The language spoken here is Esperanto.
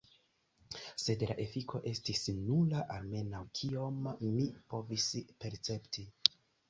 Sed la efiko estis nula, almenau kiom mi povis percepti.